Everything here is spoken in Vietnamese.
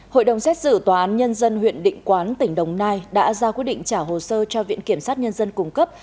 hội đồng xét xử tòa án nhân dân huyện định quán tỉnh đồng nai đã ra quyết định trả hồ sơ cho viện kiểm sát nhân dân cung cấp